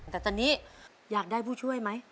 แต่ตอนนี้อยากได้ผู้ช่วยไหม